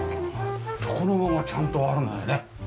床の間がちゃんとあるんだね。